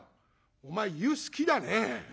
「お前湯好きだねえ。